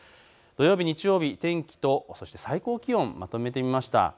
土曜日、日曜日、天気と最高気温をまとめてみました。